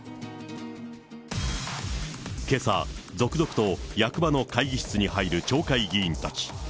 けさ、続々と役場の会議室に入る町会議員たち。